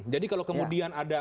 jadi kalau kemudian ada